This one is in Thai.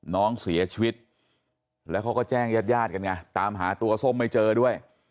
น้องเสียชีวิตแล้วเขาก็แจ้งญาติญาติกันไงตามหาตัวส้มไม่เจอด้วย